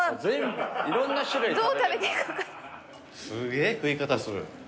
すげぇ食い方する。